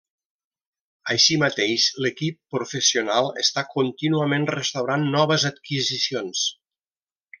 Així mateix, l'equip professional està contínuament restaurant noves adquisicions.